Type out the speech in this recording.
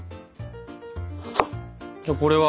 じゃあこれは？